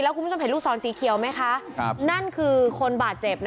แล้วคุณผู้ชมเห็นลูกซ้อนสีเขียวไหมคะครับนั่นคือคนบาดเจ็บนะ